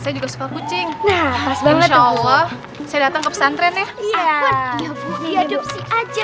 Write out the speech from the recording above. saya juga suka kucing nah langsung allah saya datang pesantren ya iya iya bu iya adopsi aja